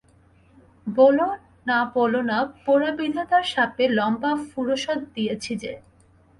বোলো না বোলো না, পোড়া বিধাতার শাপে লম্বা ফুরসৎ দিয়েছি যে।